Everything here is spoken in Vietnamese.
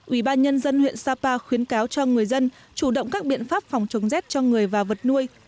ubnd huyện sapa khuyến cáo cho người dân chủ động các biện pháp phòng chống z cho người và vật nuôi